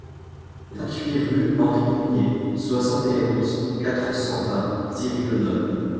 vingt-huit rue Henri Mugnier, soixante et onze, quatre cent vingt, Ciry-le-Noble